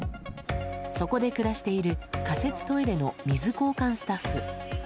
そこで暮らしている仮設トイレの水交換スタッフ。